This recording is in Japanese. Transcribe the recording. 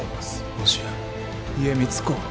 もしや家光公は。